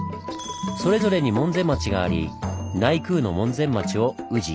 それぞれに門前町があり内宮の門前町を「宇治」